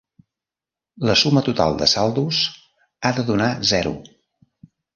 La suma total de saldos ha de donar zero.